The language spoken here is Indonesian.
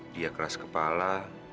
dia kelas kepala